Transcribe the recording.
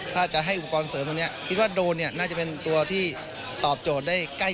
ถ้าจะให้อุปกรณ์เสริมตรงนี้คิดว่าโดนเนี่ยน่าจะเป็นตัวที่ตอบโจทย์ได้ใกล้